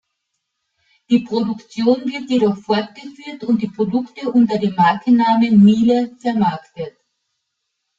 Die Produktion wird jedoch fortgeführt und die Produkte unter dem Markennamen "Miele" vermarktet.